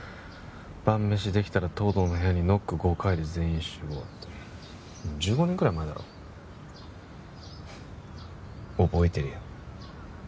晩飯できたら東堂の部屋にノック５回で全員集合ってもう１５年くらい前だろ覚えてるよ